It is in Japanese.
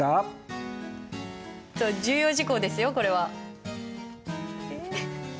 重要事項ですよこれは。